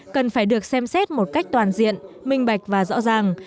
cần phải được xem xét một cách toàn diện minh bạch và rõ ràng